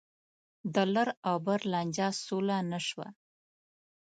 د لر او بر لانجه سوله نه شوه.